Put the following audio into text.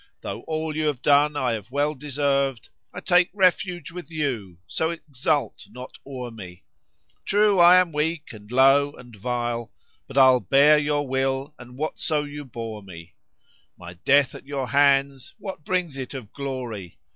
Though all you have done I have well deserved, * I take refuge with you, so exult not o'er me: True, I am weak and low and vile, * But I'll bear your will and whatso you bore me: My death at your hands what brings it of glory?